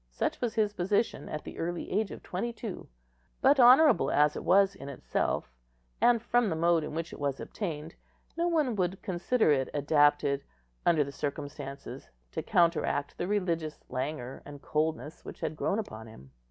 Such was his position at the early age of twenty two; but honourable as it was in itself, and from the mode in which it was obtained, no one would consider it adapted, under the circumstances, to counteract the religious languor and coldness which had grown upon him.